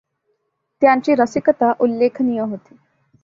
त्यांची रसिकता उल्लेखनीय होती.